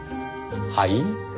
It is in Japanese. はい？